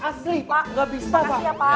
asli pak gak bisa pak